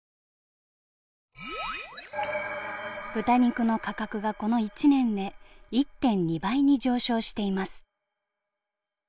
豚肉の価格がこの１年で１．２倍に上昇しています。